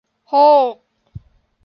โฮก !